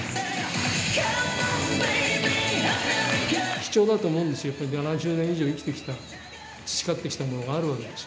貴重だと思うんですよ、やっぱり７０年以上生きてきた、培ってきたものがあるわけです。